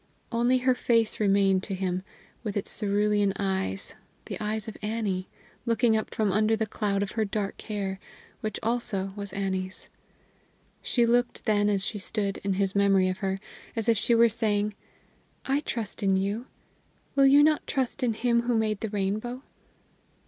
Only her face remained to him, with its cerulean eyes the eyes of Annie, looking up from under the cloud of her dark hair, which also was Annie's. She looked then as she stood, in his memory of her, as if she were saying, "I trust in you; will you not trust in Him who made the rainbow?"